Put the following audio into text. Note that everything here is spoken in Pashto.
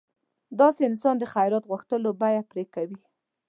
داسې انسان د خیرات غوښتلو بیه پرې کوي.